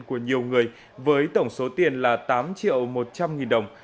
của nhiều người với tổng số tiền là tám triệu một trăm linh nghìn đồng